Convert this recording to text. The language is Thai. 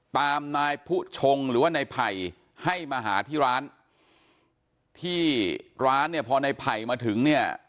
ตามนายผู้ชงหรือว่านายไผ่ให้มาหาที่ร้านที่ร้านเนี่ยพอในไผ่มาถึงเนี่ย